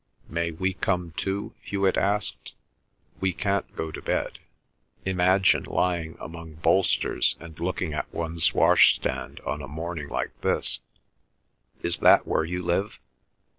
"May we come too?" Hewet asked. "We can't go to bed. Imagine lying among bolsters and looking at one's washstand on a morning like this—Is that where you live?"